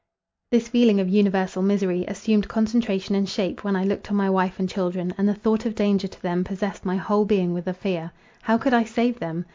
This feeling of universal misery assumed concentration and shape, when I looked on my wife and children; and the thought of danger to them possessed my whole being with fear. How could I save them?